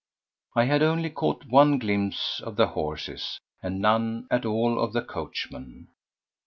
I had only caught one glimpse of the horses, and none at all of the coachman.